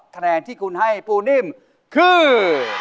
แถนที่คุณให้ผู้นิ่มคือ